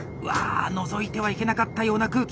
のぞいてはいけなかったような空気。